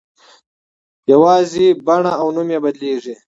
یوازې بڼه او نوم یې بدلېږي.